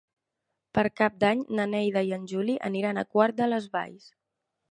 Per Cap d'Any na Neida i en Juli aniran a Quart de les Valls.